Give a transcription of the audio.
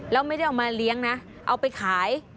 แล้วไม่ได้เอามาเลี้ยงนะเอาไปขาย